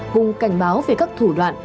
cùng cảnh báo về các thủ đoạn